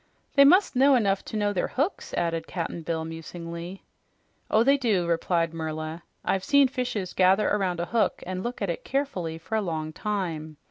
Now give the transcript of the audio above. "They must know enough to know they're hooks," added Cap'n Bill musingly. "Oh, they do," replied Merla. "I've seen fishes gather around a hook and look at it carefully for a long time.